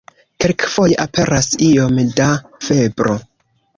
Kelkfoje aperas iom da febro.